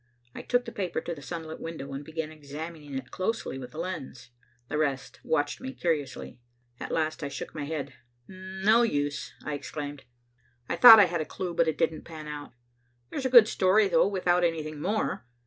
I took the paper to the sunlit window, and began examining it closely with the lens. The rest watched me curiously. At last I shook my head. "No use," I exclaimed. "I thought I had a clue, but it didn't pan out. There's a good story though, without anything more.